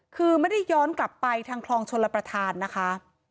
คือไม่ได้ย้อนกลับไปทางคลองชลประธานนะคะ